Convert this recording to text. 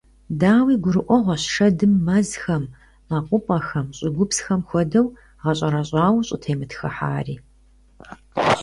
Дауи, гурыӀуэгъуэщ шэдым мэзхэм, мэкъупӀэхэм, щӀыгупсхэм хуэдэу гъэщӀэрэщӀауэ щӀытемытхыхьари.